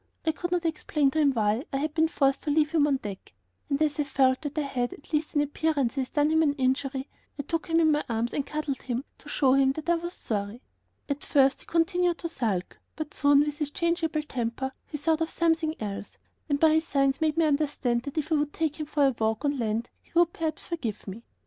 I could not explain to him why I had been forced to leave him on deck, and as I felt that I had, at least in appearances, done him an injury, I took him in my arms and cuddled him, to show him that I was sorry. At first he continued to sulk, but soon, with his changeable temper, he thought of something else, and by his signs made me understand that if I would take him for a walk on land he would perhaps forgive me.